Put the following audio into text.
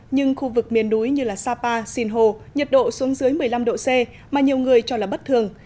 nhưng khu vực miền núi như sapa sinh hồ nhiệt độ xuống dưới một mươi năm độ c mà nhiều người cho là bất thường